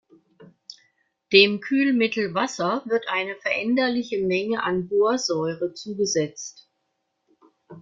Dem Kühlmittel Wasser wird eine veränderliche Menge an Borsäure zugesetzt.